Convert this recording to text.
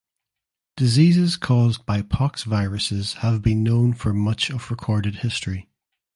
Diseases caused by poxviruses have been known for much of recorded history.